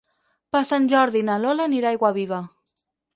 Per Sant Jordi na Lola anirà a Aiguaviva.